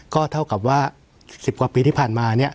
ก็เท่ากับว่า๑๐กว่าปีที่ผ่านมาเนี่ย